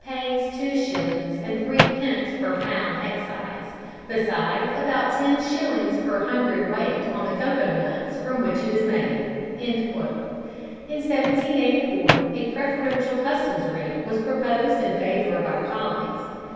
pays two shillings and threepence per pound excise, besides about ten shillings per hundredweight on the Cocoa Nuts from which it is made." In 1784 a preferential customs rate was proposed in favour of our Colonies.